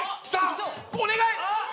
お願い。